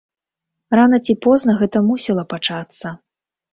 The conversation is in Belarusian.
Рана ці позна гэта мусіла пачацца.